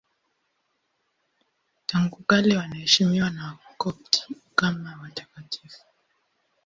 Tangu kale wanaheshimiwa na Wakopti kama watakatifu.